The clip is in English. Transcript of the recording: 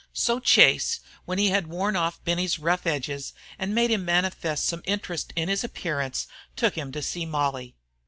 So Chase, when he had worn off Benny's rough edges and made him manifest some interest in his appearance, took him to see Molly.